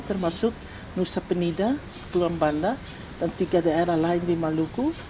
termasuk nusa penida pulau banda dan tiga daerah lain di maluku